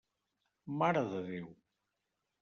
Mare de Déu!